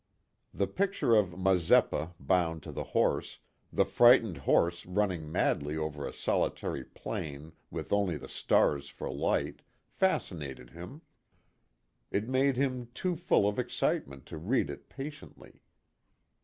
The picture of Mazeppa bound to the horse, the frightened horse running madly over a solitary plain with only the stars for light, KIT CARSON. 41 fascinated him. It made him too full of excite ment to read it patiently.